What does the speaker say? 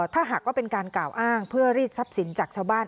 ถ้าหากว่าเป็นการกล่าวอ้างเพื่อรีดทรัพย์สินจากชาวบ้าน